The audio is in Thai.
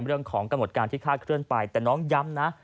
เรื่องของกำหนดการที่คาดเคลื่อนไปแต่น้องย้ำนะ